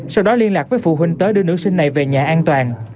sau đó liên lạc với phụ huynh tới đưa nữ sinh này về nhà an toàn